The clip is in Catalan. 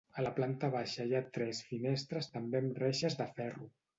A la planta baixa hi ha tres finestres també amb reixes de ferro.